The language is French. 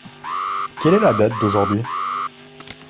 Quel est la date d'aujourd'hui ?